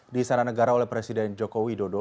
di istana negara oleh presiden joko widodo